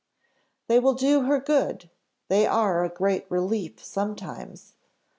"They will do her good; they are a great relief sometimes."